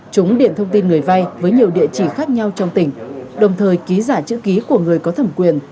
chúng điện thông tin người vay với nhiều địa chỉ khó khăn